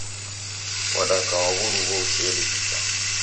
Wadaka wa w'oruw'o useelekia.